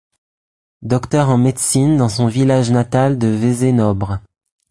Docteur en médecine dans son village natal de Vézénobres.